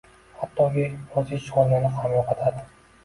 hattoki o‘z ish o‘rnini ham yo‘qotadi.